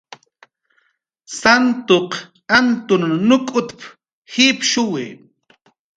"Santuq Antun nuk'tap"" jipshuwi"